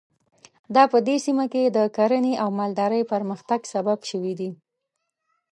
دا په دې سیمه کې د کرنې او مالدارۍ پرمختګ سبب شوي دي.